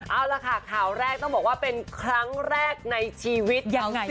เอาล่ะค่ะข่าวแรกต้องบอกว่าเป็นครั้งแรกในชีวิตยังไง